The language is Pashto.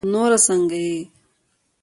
نور سنګه یی